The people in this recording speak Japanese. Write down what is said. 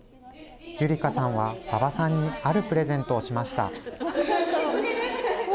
優梨花さんは馬場さんにあるプレゼントをしましたありがとう。